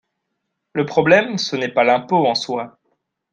Le problème, ce n’est pas l’impôt en soi.